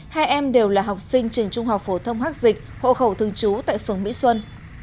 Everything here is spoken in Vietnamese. hai em đều là học sinh trường trung học phổ thông hắc dịch hộ khẩu thường trú tại phường mỹ xuân